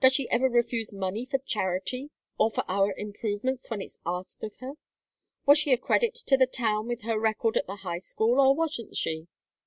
Does she ever refuse money for charity, or for our improvements when it's asked of her? Was she a credit to the town with her record at the High School, or wasn't she?